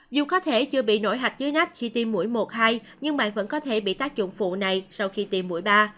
dù có thể chưa bị nổi hạch dưới nách khi tim mũi một hai nhưng bạn vẫn có thể bị tác dụng phụ này sau khi tiêm mũi ba